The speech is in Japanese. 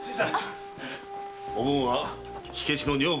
おぶんは火消しの女房。